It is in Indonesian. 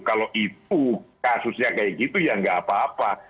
kalau itu kasusnya kayak gitu ya nggak apa apa